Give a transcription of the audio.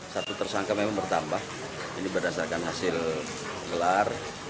satu tersangka memang bertambah ini berdasarkan hasil gelar